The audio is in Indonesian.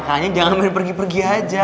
iya makanya jangan main pergi pergi aja